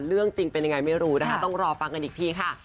เรื่องจริงเป็นยังไงไม่รู้นะคะต้องรอฟังกันอีกทีค่ะ